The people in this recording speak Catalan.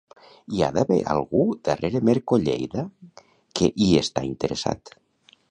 Hi ha d'haver algú darrere Mercolleida que hi està interessat.